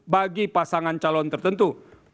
bagi pasangan calon tertentu